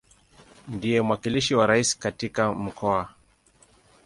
Ndiye mwakilishi wa Rais katika Mkoa.